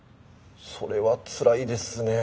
それはつらいですね。